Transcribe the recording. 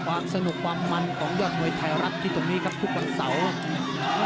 ความสนุกความมันของยอดมวยไทยรัฐที่ตรงนี้ครับทุกวันเสาร์ครับ